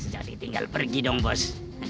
jadi tinggal pergi dong bos